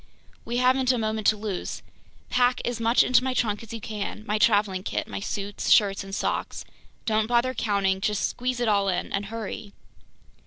"We haven't a moment to lose. Pack as much into my trunk as you can, my traveling kit, my suits, shirts, and socks, don't bother counting, just squeeze it all in—and hurry!"